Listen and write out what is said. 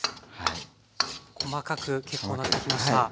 細かく結構なってきました。